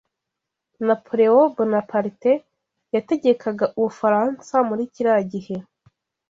Napoleon Bonaparte yategekaga Ubufaransa muri kiriya gihe.